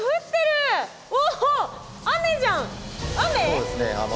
そうですね。